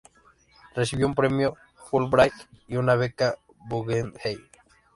Recibió un Premio Fulbright y una Beca Guggenheim.